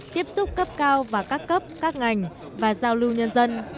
tiếp xúc cấp cao và các cấp các ngành và giao lưu nhân dân